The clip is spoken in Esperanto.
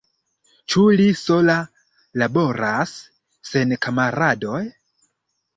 Ĉu li sola laboras, sen kamaradoj?